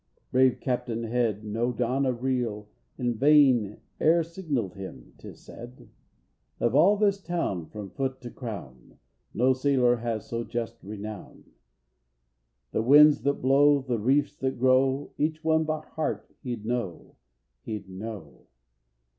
"Brave Captain Head, no dawn a red In vain e'er signaled him, 'tis said. "Of all this town, from foot to crown No sailor has so just renown. "The winds that blow, the reefs that grow, Each one by heart he'd know, he'd know.